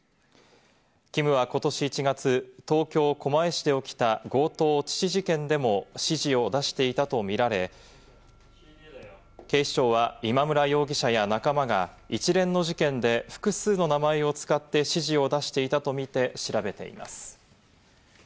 キムはことし１月、東京・狛江市で起きた強盗致死事件でも指示を出していたとみられ、警視庁は今村容疑者や仲間が一連の事件で複数の名前を使って指示を出していたとみて調べています。